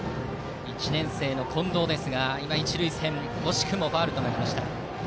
１年生の近藤ですが一塁線、惜しくもファウル。